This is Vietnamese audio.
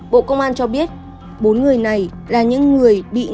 bộ công an cho biết bốn người này là những người bị nghi thức